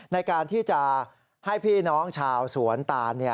ในการที่จะให้พี่น้องชาวสวนตาล